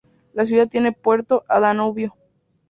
La ciudad tiene puerto a Danubio.